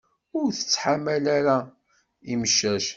Ur tettḥamal ara imcac.